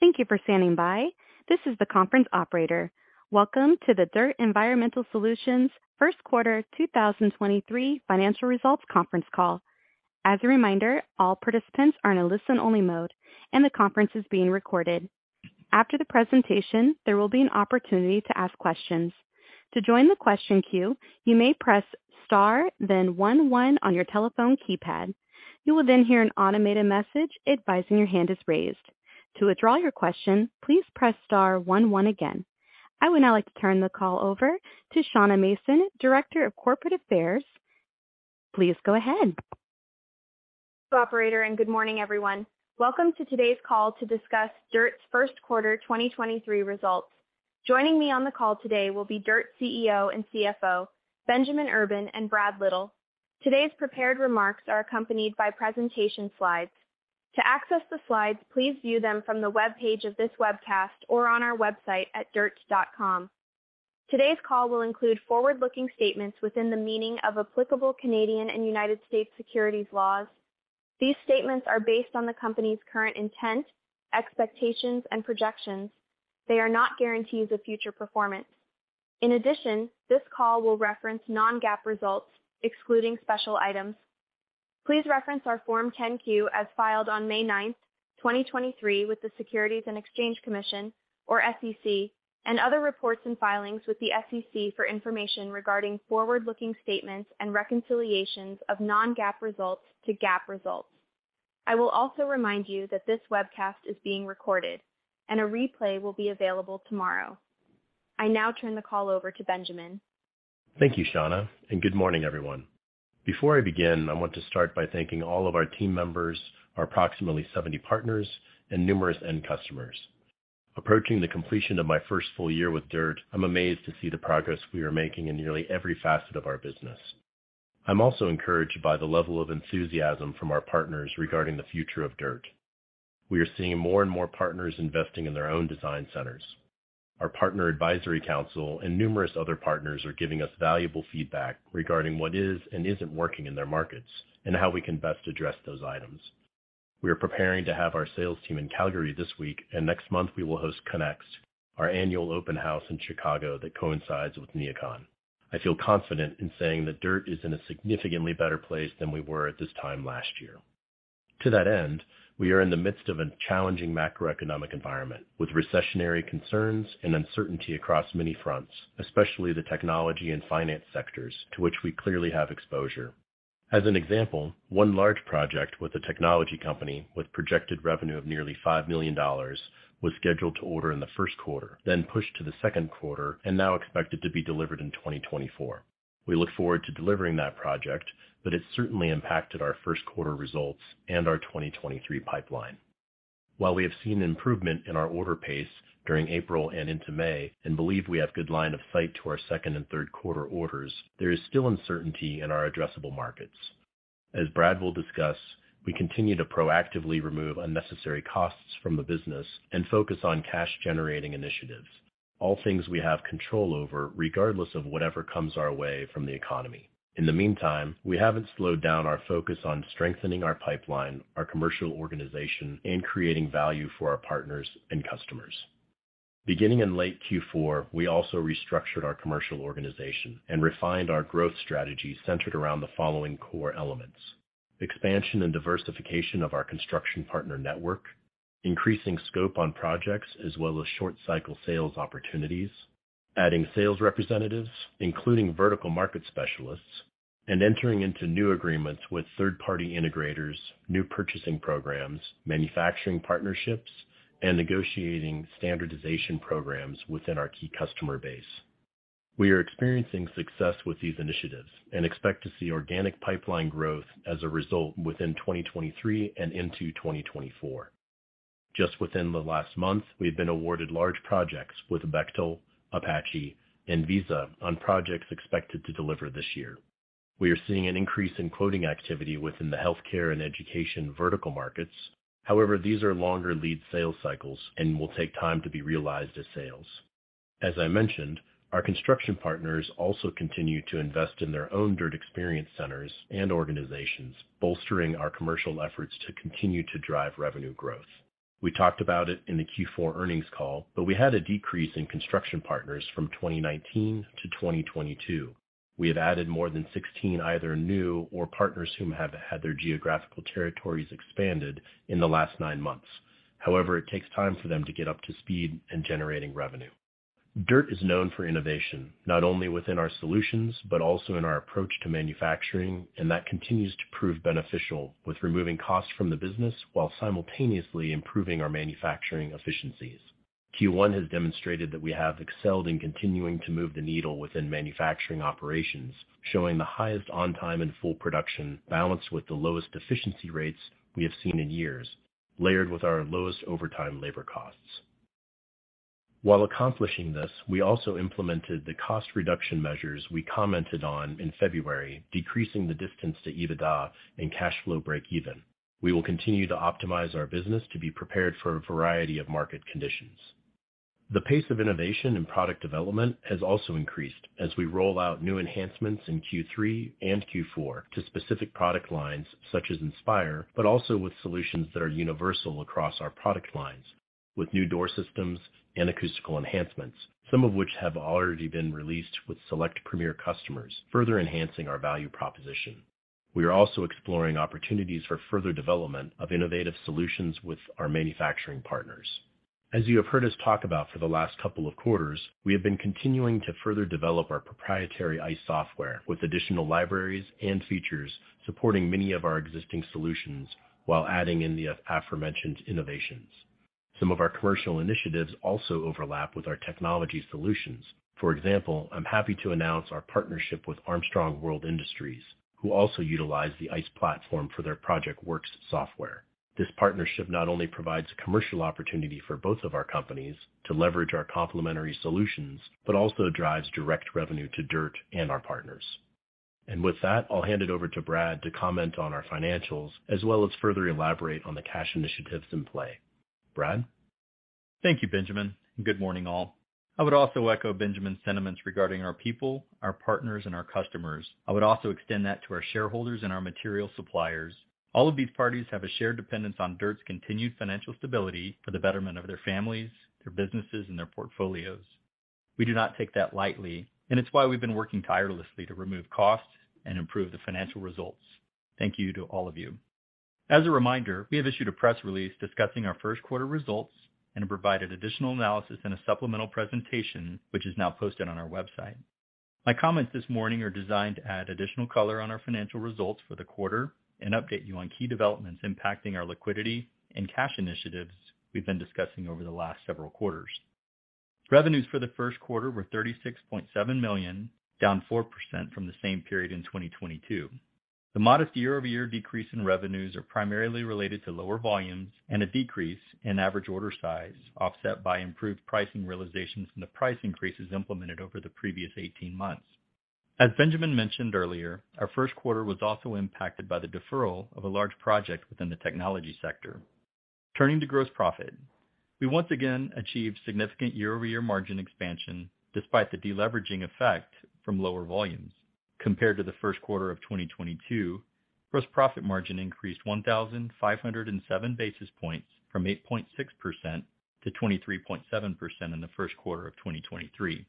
Thank you for standing by. This is the conference operator. Welcome to the DIRTT Environmental Solutions first quarter 2023 financial results conference call. As a reminder, all participants are in a listen-only mode, the conference is being recorded. After the presentation, there will be an opportunity to ask questions. To join the question queue, you may press star then one one on your telephone keypad. You will hear an automated message advising your hand is raised. To withdraw your question, please press star one one again. I would now like to turn the call over to Shauna Mason, Director of Corporate Affairs. Please go ahead. Operator, good morning, everyone. Welcome to today's call to discuss DIRTT's first-quarter 2023 results. Joining me on the call today will be DIRTT CEO and CFO, Benjamin Urban and Brad Little. Today's prepared remarks are accompanied by presentation slides. To access the slides, please view them from the webpage of this webcast or on our website at dirtt.com. Today's call will include forward-looking statements within the meaning of applicable Canadian and United States securities laws. These statements are based on the company's current intent, expectations, and projections. They are not guarantees of future performance. In addition, this call will reference non-GAAP results, excluding special items. Please reference our Form 10-Q as filed on May 9, 2023 with the Securities and Exchange Commission or SEC, and other reports and filings with the SEC for information regarding forward-looking statements and reconciliations of non-GAAP results to GAAP results. I will also remind you that this webcast is being recorded, and a replay will be available tomorrow. I now turn the call over to Benjamin. Thank you, Shauna. Good morning, everyone. Before I begin, I want to start by thanking all of our team members, our approximately 70 partners and numerous end customers. Approaching the completion of my first full year with DIRTT, I'm amazed to see the progress we are making in nearly every facet of our business. I'm also encouraged by the level of enthusiasm from our partners regarding the future of DIRTT. We are seeing more and more partners investing in their own design centers. Our partner advisory council and numerous other partners are giving us valuable feedback regarding what is and isn't working in their markets and how we can best address those items. We are preparing to have our sales team in Calgary this week, and next month, we will host Connects, our annual open house in Chicago that coincides with NeoCon. I feel confident in saying that DIRTT is in a significantly better place than we were at this time last year. To that end, we are in the midst of a challenging macroeconomic environment with recessionary concerns and uncertainty across many fronts, especially the technology and finance sectors to which we clearly have exposure. As an example, one large project with a technology company with projected revenue of nearly $5 million was scheduled to order in the first quarter, then pushed to the second quarter and now expected to be delivered in 2024. We look forward to delivering that project, but it certainly impacted our first quarter results and our 2023 pipeline. While we have seen improvement in our order pace during April and into May and believe we have good line of sight to our second and third quarter orders, there is still uncertainty in our addressable markets. As Brad will discuss, we continue to proactively remove unnecessary costs from the business and focus on cash-generating initiatives, all things we have control over regardless of whatever comes our way from the economy. In the meantime, we haven't slowed down our focus on strengthening our pipeline, our commercial organization, and creating value for our partners and customers. Beginning in late Q4, we also restructured our commercial organization and refined our growth strategy centered around the following core elements: expansion and diversification of our construction partner network, increasing scope on projects as well as short cycle sales opportunities, adding sales representatives, including vertical market specialists, and entering into new agreements with third-party integrators, new purchasing programs, manufacturing partnerships, and negotiating standardization programs within our key customer base. We are experiencing success with these initiatives and expect to see organic pipeline growth as a result within 2023 and into 2024. Just within the last month, we've been awarded large projects with Bechtel, Apache, and Visa on projects expected to deliver this year. We are seeing an increase in quoting activity within the healthcare and education vertical markets. These are longer lead sales cycles and will take time to be realized as sales. As I mentioned, our construction partners also continue to invest in their own DIRTT Experience Centers and organizations, bolstering our commercial efforts to continue to drive revenue growth. We talked about it in the Q4 earnings call, but we had a decrease in construction partners from 2019 to 2022. We have added more than 16, either new or partners whom have had their geographical territories expanded in the last nine months. However, it takes time for them to get up to speed in generating revenue. DIRTT is known for innovation, not only within our solutions, but also in our approach to manufacturing, and that continues to prove beneficial with removing costs from the business while simultaneously improving our manufacturing efficiencies. Q1 has demonstrated that we have excelled in continuing to move the needle within manufacturing operations, showing the highest on time and full production balanced with the lowest efficiency rates we have seen in years, layered with our lowest overtime labor costs. While accomplishing this, we also implemented the cost reduction measures we commented on in February, decreasing the distance to EBITDA and cash flow breakeven. We will continue to optimize our business to be prepared for a variety of market conditions. The pace of innovation and product development has also increased as we roll out new enhancements in Q3 and Q4 to specific product lines such as Inspire, but also with solutions that are universal across our product lines with new door systems and acoustical enhancements, some of which have already been released with select premier customers, further enhancing our value proposition. We are also exploring opportunities for further development of innovative solutions with our manufacturing partners. As you have heard us talk about for the last couple of quarters, we have been continuing to further develop our proprietary ICE software with additional libraries and features supporting many of our existing solutions while adding in the aforementioned innovations. Some of our commercial initiatives also overlap with our technology solutions. For example, I'm happy to announce our partnership with Armstrong World Industries, who also utilize the ICE platform for their ProjectWorks software. This partnership not only provides a commercial opportunity for both of our companies to leverage our complementary solutions, but also drives direct revenue to DIRTT and our partners. With that, I'll hand it over to Brad to comment on our financials as well as further elaborate on the cash initiatives in play. Brad? Thank you, Benjamin, and good morning, all. I would also echo Benjamin's sentiments regarding our people, our partners, and our customers. I would also extend that to our shareholders and our material suppliers. All of these parties have a shared dependence on DIRTT's continued financial stability for the betterment of their families, their businesses, and their portfolios. We do not take that lightly, and it's why we've been working tirelessly to remove costs and improve the financial results. Thank you to all of you. As a reminder, we have issued a press release discussing our first quarter results and have provided additional analysis in a supplemental presentation, which is now posted on our website. My comments this morning are designed to add additional color on our financial results for the quarter and update you on key developments impacting our liquidity and cash initiatives we've been discussing over the last several quarters. Revenues for the first quarter were $36.7 million, down 4% from the same period in 2022. The modest year-over-year decrease in revenues are primarily related to lower volumes and a decrease in average order size, offset by improved pricing realizations from the price increases implemented over the previous 18 months. As Benjamin mentioned earlier, our first quarter was also impacted by the deferral of a large project within the technology sector. Turning to gross profit, we once again achieved significant year-over-year margin expansion despite the deleveraging effect from lower volumes. Compared to the first quarter of 2022, gross profit margin increased 1,507 basis points from 8.6% to 23.7% in the first quarter of 2023.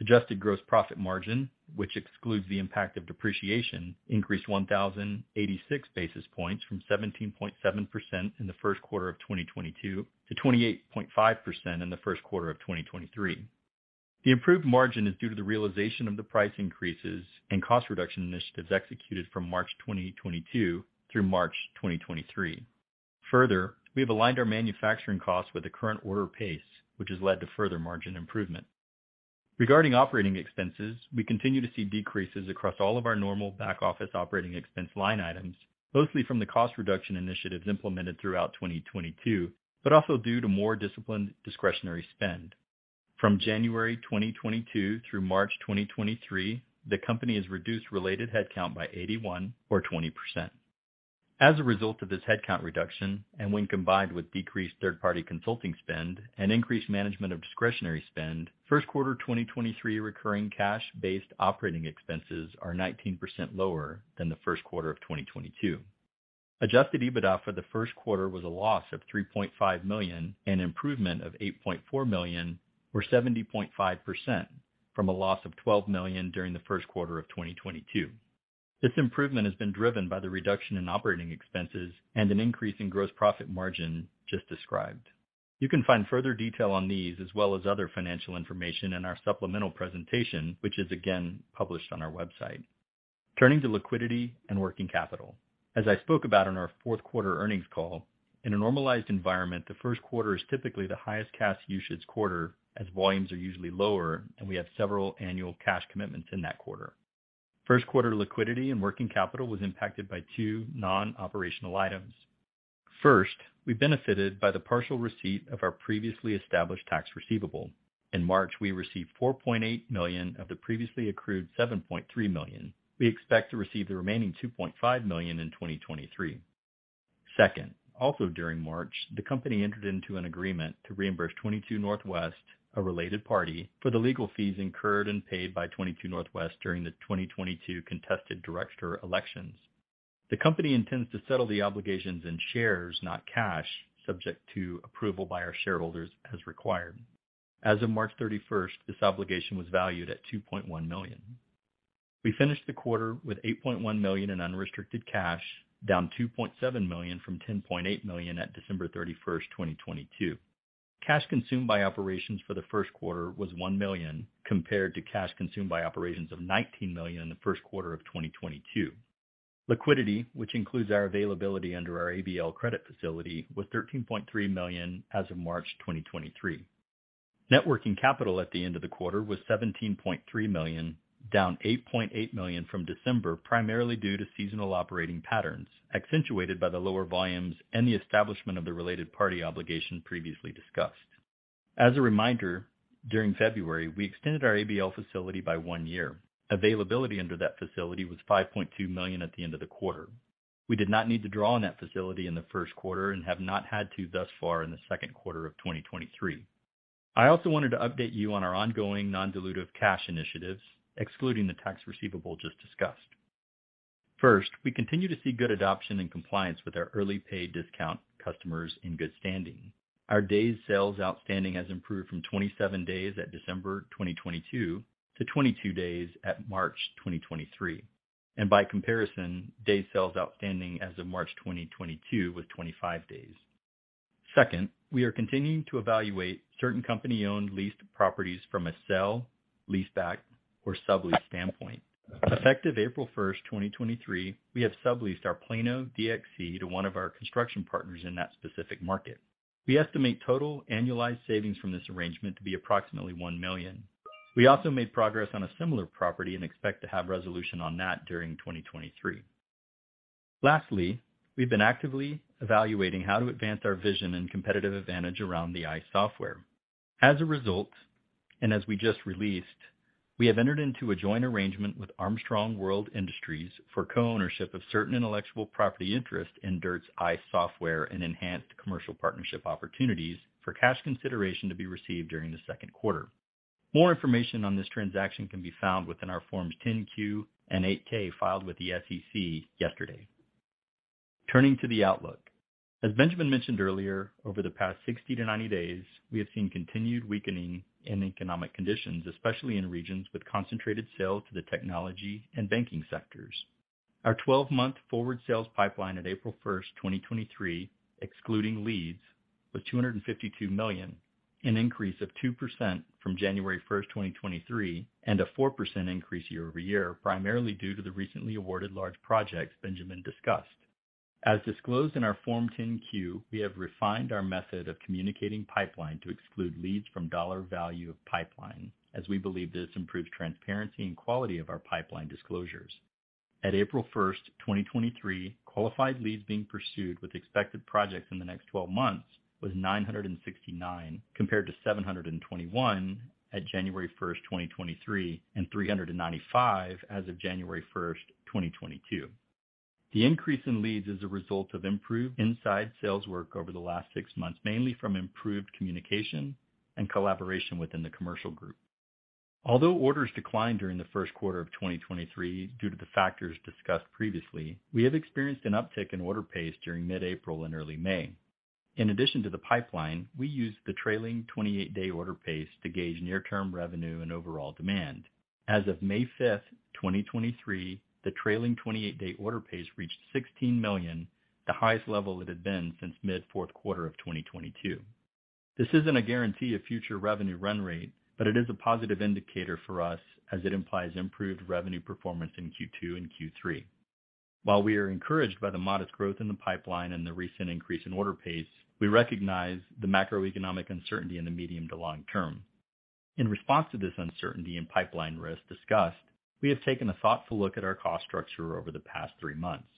Adjusted gross profit margin, which excludes the impact of depreciation, increased 1,086 basis points from 17.7% in the first quarter of 2022 to 28.5% in the first quarter of 2023. The improved margin is due to the realization of the price increases and cost reduction initiatives executed from March 2022 through March 2023. Further, we have aligned our manufacturing costs with the current order pace, which has led to further margin improvement. Regarding operating expenses, we continue to see decreases across all of our normal back office operating expense line items, mostly from the cost reduction initiatives implemented throughout 2022, but also due to more disciplined discretionary spend. From January 2022 through March 2023, the company has reduced related headcount by 81% or 20%. As a result of this headcount reduction and when combined with decreased third-party consulting spend and increased management of discretionary spend, first quarter 2023 recurring cash-based operating expenses are 19% lower than the first quarter of 2022. Adjusted EBITDA for the first quarter was a loss of $3.5 million, an improvement of $8.4 million, or 70.5% from a loss of $12 million during the first quarter of 2022. This improvement has been driven by the reduction in operating expenses and an increase in gross profit margin just described. You can find further detail on these as well as other financial information in our supplemental presentation, which is again published on our website. Turning to liquidity and working capital. As I spoke about on our fourth quarter earnings call, in a normalized environment, the first quarter is typically the highest cash usage quarter as volumes are usually lower, and we have several annual cash commitments in that quarter. First quarter liquidity and working capital was impacted by two non-operational items. First, we benefited by the partial receipt of our previously established tax receivable. In March, we received $4.8 million of the previously accrued $7.3 million. We expect to receive the remaining $2.5 million in 2023. Second, also during March, the company entered into an agreement to reimburse 22NW, a related party, for the legal fees incurred and paid by 22NW during the 2022 contested director elections. The company intends to settle the obligations in shares, not cash, subject to approval by our shareholders as required. As of March 31st, this obligation was valued at $2.1 million. We finished the quarter with $8.1 million in unrestricted cash, down $2.7 million from $10.8 million at December 31st, 2022. Cash consumed by operations for the first quarter was $1 million compared to cash consumed by operations of $19 million in the first quarter of 2022. Liquidity, which includes our availability under our ABL credit facility, was $13.3 million as of March 2023. Net working capital at the end of the quarter was $17.3 million, down $8.8 million from December, primarily due to seasonal operating patterns, accentuated by the lower volumes and the establishment of the related party obligation previously discussed. As a reminder, during February, we extended our ABL facility by one year. Availability under that facility was $5.2 million at the end of the quarter. We did not need to draw on that facility in the first quarter and have not had to thus far in the second quarter of 2023. I also wanted to update you on our ongoing non-dilutive cash initiatives, excluding the tax receivable just discussed. First, we continue to see good adoption and compliance with our early pay discount customers in good standing. Our days sales outstanding has improved from 27 days at December 2022 to 22 days at March 2023. By comparison, days sales outstanding as of March 2022 was 25 days. Second, we are continuing to evaluate certain company-owned leased properties from a sell, leaseback or sublease standpoint. Effective April 1st, 2023, we have subleased our Plano DXC to one of our construction partners in that specific market. We estimate total annualized savings from this arrangement to be approximately $1 million. We also made progress on a similar property and expect to have resolution on that during 2023. Lastly, we've been actively evaluating how to advance our vision and competitive advantage around the ICE software. As a result, as we just released, we have entered into a joint arrangement with Armstrong World Industries for co-ownership of certain intellectual property interest in DIRTT's ICE software and enhanced commercial partnership opportunities for cash consideration to be received during the second quarter. More information on this transaction can be found within our Forms 10-Q and 8-K filed with the SEC yesterday. Turning to the outlook. As Benjamin mentioned earlier, over the past 60-90 days, we have seen continued weakening in economic conditions, especially in regions with concentrated sale to the technology and banking sectors. Our 12-month forward sales pipeline at April 1st, 2023, excluding leads, was $252 million, an increase of 2% from January 1st, 2023, and a 4% increase year-over-year, primarily due to the recently awarded large projects Benjamin discussed. As disclosed in our Form 10-Q, we have refined our method of communicating pipeline to exclude leads from dollar value of pipeline as we believe this improves transparency and quality of our pipeline disclosures. At April 1st, 2023, qualified leads being pursued with expected projects in the next 12 months was 969 compared to 721 at January 1st, 2023, and 395 as of January 1st, 2022. The increase in leads is a result of improved inside sales work over the last 6 months, mainly from improved communication and collaboration within the commercial group. Although orders declined during the first quarter of 2023 due to the factors discussed previously, we have experienced an uptick in order pace during mid-April and early May. In addition to the pipeline, we use the trailing 28-day order pace to gauge near-term revenue and overall demand. As of May 5th, 2023, the trailing 28-day order pace reached $16 million, the highest level it had been since mid fourth quarter of 2022. This isn't a guarantee of future revenue run rate, but it is a positive indicator for us as it implies improved revenue performance in Q2 and Q3. While we are encouraged by the modest growth in the pipeline and the recent increase in order pace, we recognize the macroeconomic uncertainty in the medium to long term. In response to this uncertainty and pipeline risk discussed, we have taken a thoughtful look at our cost structure over the past three months.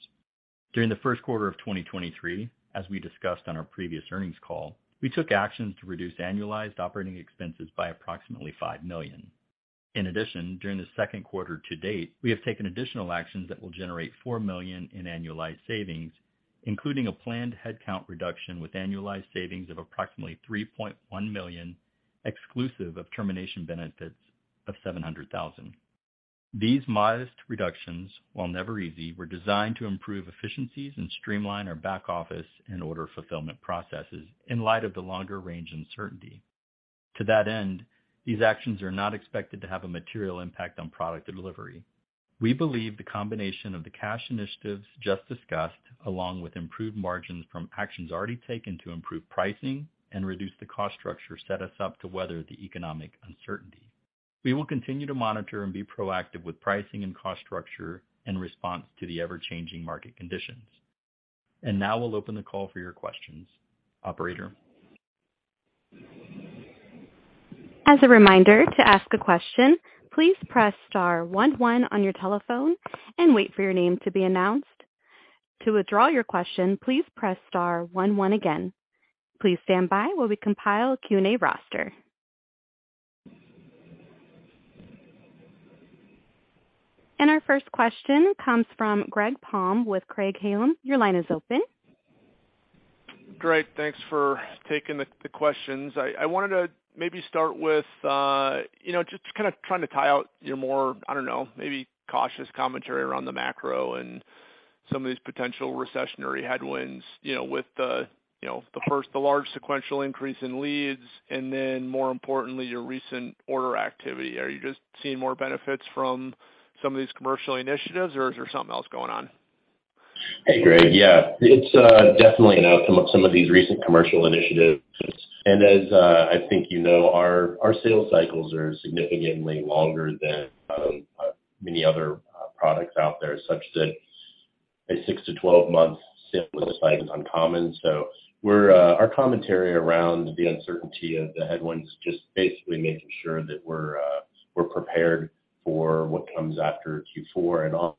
During the first quarter of 2023, as we discussed on our previous earnings call, we took actions to reduce annualized operating expenses by approximately $5 million. In addition, during the second quarter to date, we have taken additional actions that will generate $4 million in annualized savings, including a planned headcount reduction with annualized savings of approximately $3.1 million, exclusive of termination benefits of $700,000. These modest reductions, while never easy, were designed to improve efficiencies and streamline our back office and order fulfillment processes in light of the longer range uncertainty. To that end, these actions are not expected to have a material impact on product delivery. We believe the combination of the cash initiatives just discussed, along with improved margins from actions already taken to improve pricing and reduce the cost structure, set us up to weather the economic uncertainty. We will continue to monitor and be proactive with pricing and cost structure in response to the ever-changing market conditions. Now we'll open the call for your questions. Operator? As a reminder, to ask a question, please press star one one on your telephone and wait for your name to be announced. To withdraw your question, please press star one one again. Please stand by while we compile a Q&A roster. Our first question comes from Greg Palm with Craig-Hallum. Your line is open. Great. Thanks for taking the questions. I wanted to maybe start with, you know, just kinda trying to tie out your more, I don't know, maybe cautious commentary around the macro and some of these potential recessionary headwinds, you know, with the first, the large sequential increase in leads and then more importantly, your recent order activity. Are you just seeing more benefits from some of these commercial initiatives or is there something else going on? Hey, Greg. Yeah. It's definitely an outcome of some of these recent commercial initiatives. As I think you know, our sales cycles are significantly longer than many other products out there, such that a 6-12 month sales cycle is uncommon. We're our commentary around the uncertainty of the headwinds just basically making sure that we're prepared for what comes after Q4 and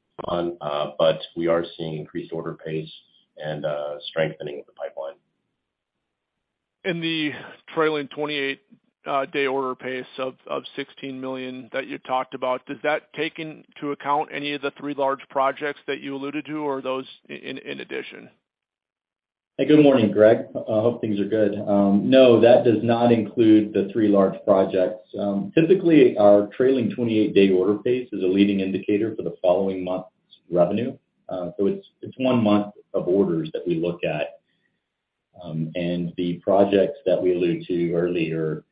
on, but we are seeing increased order pace and strengthening of the pipeline. In the trailing 28 day order pace of $16 million that you talked about, does that take into account any of the three large projects that you alluded to or are those in addition? Good morning, Greg. I hope things are good. No, that does not include the three large projects. Typically, our trailing 28 day order pace is a leading indicator for the following month's revenue. It's one month of orders that we look at. The projects that we alluded to earlier,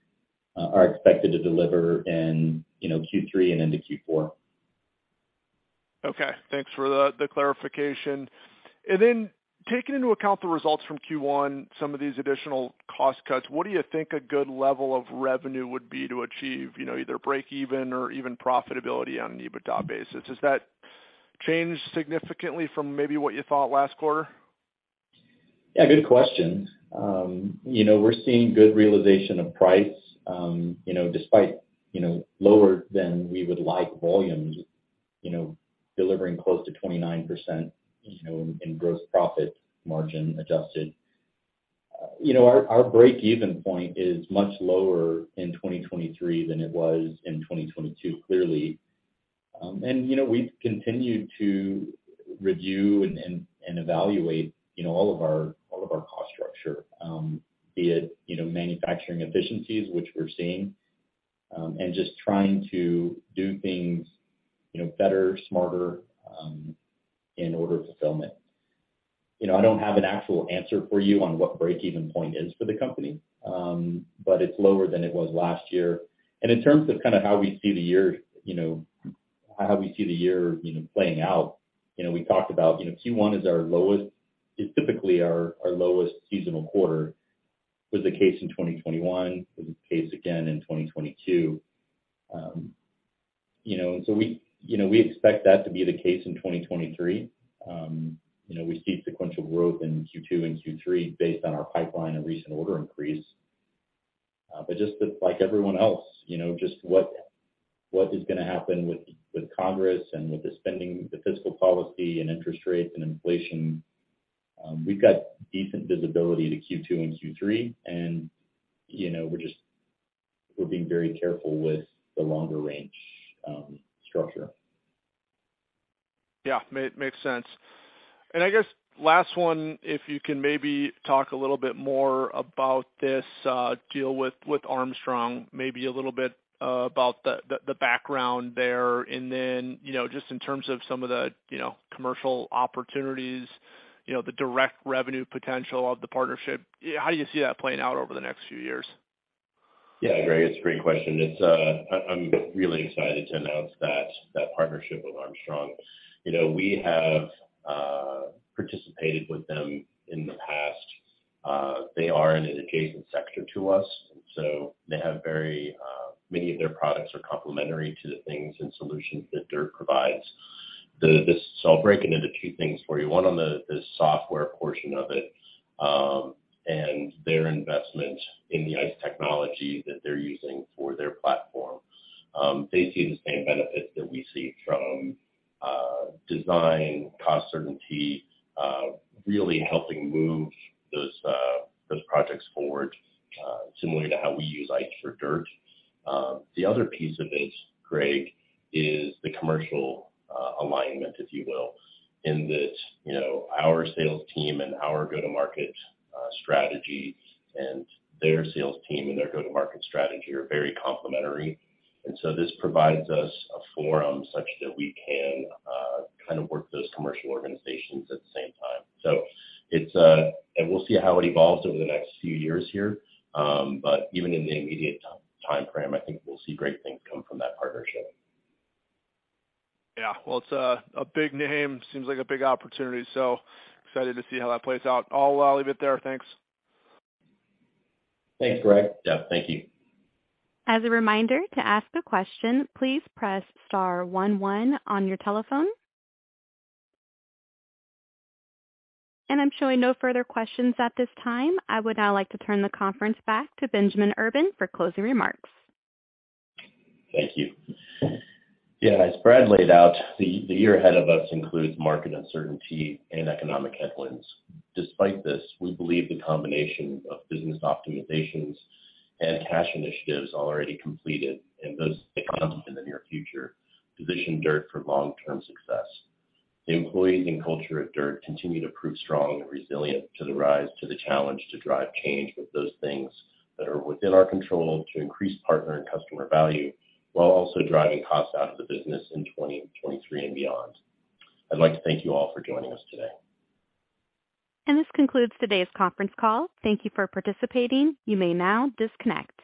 are expected to deliver in, you know, Q3 and into Q4. Okay. Thanks for the clarification. Taking into account the results from Q1, some of these additional cost cuts, what do you think a good level of revenue would be to achieve, you know, either break even or even profitability on an EBITDA basis? Has that changed significantly from maybe what you thought last quarter? Yeah, good question. You know, we're seeing good realization of price, you know, despite, you know, lower than we would like volumes, you know, delivering close to 29%, you know, in gross profit margin adjusted. You know, our break-even point is much lower in 2023 than it was in 2022, clearly. And, you know, we've continued to review and, and evaluate, you know, all of our, all of our cost structure, be it, you know, manufacturing efficiencies, which we're seeing, and just trying to do things, you know, better, smarter, in order fulfillment. You know, I don't have an actual answer for you on what break-even point is for the company, but it's lower than it was last year. In terms of kinda how we see the year, you know, playing out, you know, we talked about, you know, Q1 is typically our lowest seasonal quarter. Was the case in 2021, was the case again in 2022. You know, we, you know, we expect that to be the case in 2023. You know, we see sequential growth in Q2 and Q3 based on our pipeline and recent order increase. Just like everyone else, you know, just what is gonna happen with Congress and with the spending, the fiscal policy and interest rates and inflation. We've got decent visibility to Q2 and Q3 and, you know, we're being very careful with the longer range structure. Yeah. Makes sense. I guess last one, if you can maybe talk a little bit more about this deal with Armstrong, maybe a little bit about the background there, just in terms of some of the, you know, commercial opportunities, you know, the direct revenue potential of the partnership. How do you see that playing out over the next few years? Yeah. Greg, it's a great question. It's, I'm really excited to announce that partnership with Armstrong. You know, we have participated with them in the past. They are in an adjacent sector to us, they have very many of their products are complementary to the things and solutions that DIRTT provides. This I'll break it into two things for you. One on the software portion of it, and their investment in the ICE technology that they're using for their platform. They see the same benefits that we see from design, cost certainty, really helping move those projects forward, similar to how we use ICE for DIRTT. The other piece of it, Greg, is the commercial alignment, if you will, in that, you know, our sales team and our go-to-market strategy and their sales team and their go-to-market strategy are very complementary. This provides us a forum such that we can kind of work those commercial organizations at the same time. It's. We'll see how it evolves over the next few years here. Even in the immediate time frame, I think we'll see great things come from that partnership. Yeah. Well, it's a big name. Seems like a big opportunity, excited to see how that plays out. I'll leave it there. Thanks. Thanks, Greg. Yeah. Thank you. As a reminder, to ask a question, please press star one one on your telephone. I'm showing no further questions at this time. I would now like to turn the conference back to Benjamin Urban for closing remarks. Thank you. Yeah, as Brad laid out, the year ahead of us includes market uncertainty and economic headwinds. Despite this, we believe the combination of business optimizations and cash initiatives already completed and those to come up in the near future position DIRTT for long-term success. The employees and culture of DIRTT continue to prove strong and resilient to the challenge to drive change with those things that are within our control to increase partner and customer value while also driving costs out of the business in 2023 and beyond. I'd like to thank you all for joining us today. This concludes today's conference call. Thank you for participating. You may now disconnect.